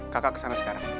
kakak kesana sekarang